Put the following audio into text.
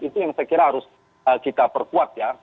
itu yang saya kira harus kita perkuat ya